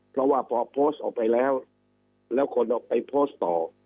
เพราะว่าพอโพสต์ออกไปแล้วแล้วคนออกไปโพสต์ต่อ